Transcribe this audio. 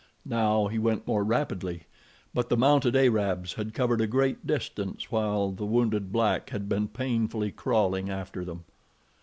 Now he went more rapidly; but the mounted Arabs had covered a great distance while the wounded black had been painfully crawling after them.